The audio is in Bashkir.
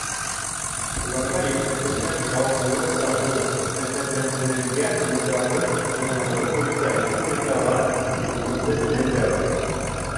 Уларға йөкмәтелгән яуаплылыҡ та ҙур: хеҙмәтләндерелгән юлдарҙың оҙонлоғо буйынса республикала өсөнсө урынды биләйҙәр.